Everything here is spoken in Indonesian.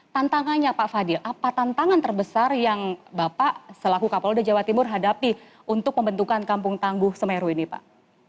tantangannya pak fadil apa tantangan terbesar yang bapak selaku kapolda jawa timur hadapi untuk pembentukan kampung tangguh semeru ini pak